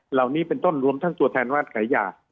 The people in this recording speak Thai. เหล่านี้เป็นต้นรวมทั้งตัวแทนราชขายยา